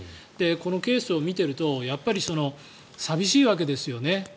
このケースを見ているとやっぱり寂しいわけですよね。